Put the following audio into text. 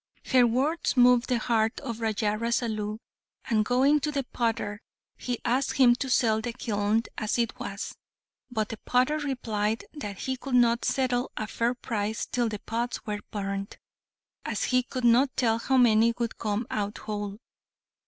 Her words moved the heart of Raja Rasalu, and, going to the potter, he asked him to sell the kiln as it was; but the potter replied that he could not settle a fair price till the pots were burnt, as he could not tell how many would come out whole.